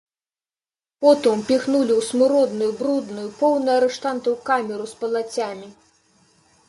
Потым упіхнулі ў смуродную, брудную, поўную арыштантаў камеру з палацямі.